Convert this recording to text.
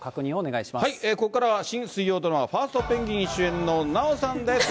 ここからは新水曜ドラマ、ファーストペンギン！に主演の奈緒さんです。